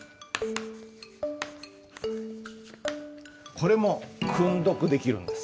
これも訓読できるんです。